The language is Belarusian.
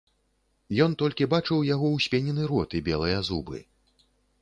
Ён толькі бачыў яго ўспенены рот і белыя зубы.